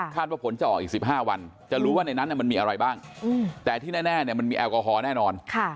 ว่าผลจะออกอีก๑๕วันจะรู้ว่าในนั้นมันมีอะไรบ้างแต่ที่แน่มันมีแอลกอฮอลแน่นอน